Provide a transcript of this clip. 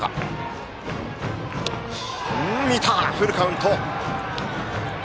見た、フルカウント。